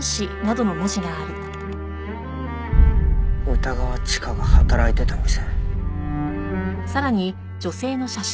歌川チカが働いてた店。